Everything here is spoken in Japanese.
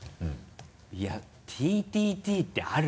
いや「ＴＴＴ」ってある？